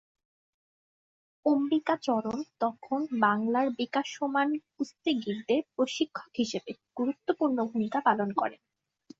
অম্বিকাচরণ তখন বাংলার বিকাশমান কুস্তিগীরদের প্রশিক্ষক হিসেবে গুরুত্বপূর্ণ ভূমিকা পালন করেন।